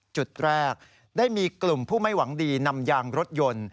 จุดแรกได้มีกลุ่มผู้ไม่หวังดีนำยางรถยนต์